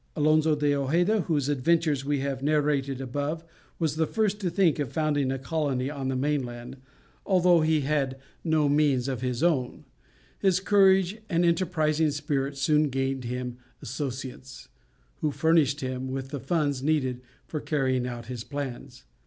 Alonzo de Hojeda, whose adventures we have narrated above, was the first to think of founding a colony on the mainland; although he had no means of his own, his courage and enterprising spirit soon gained him associates, who furnished him with the funds needed for carrying out his plans.